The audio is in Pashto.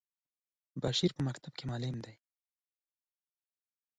بشیر په ښونځی کی معلم دی.